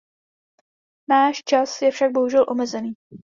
Náš čas je však bohužel omezený.